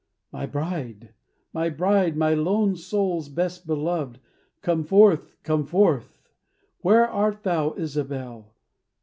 "My bride, my bride, my lone soul's best beloved, Come forth, come forth! Where art thou, Isobel?